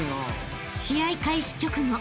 ［試合開始直後